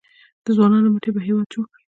د ځوانانو مټې به هیواد جوړ کړي؟